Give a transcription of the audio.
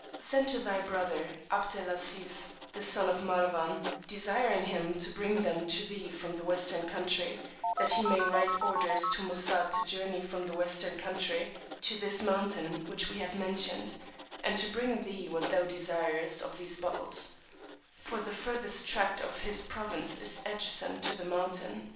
Send to thy brother Abd El Azeez, the son of Marwán, desiring him to bring them to thee from the Western Country, that he may write orders to Moosà to journey from the Western Country, to this mountain which we have mentioned, and to bring thee what thou desirest of these bottles; for the furthest tract of his province is adjacent to this mountain.